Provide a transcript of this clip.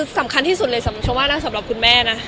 สำคัญที่สุดเลยสำคัญสำหรับคุณแม่นะ